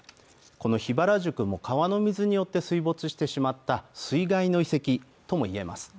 この桧原宿も川の水によって水没してしまった水害の遺跡ともいえます。